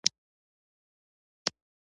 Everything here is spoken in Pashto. دوی ويل چې هغه به نه وغږېږي.